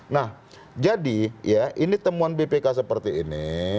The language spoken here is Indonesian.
nah jadi ya ini temuan bpk seperti ini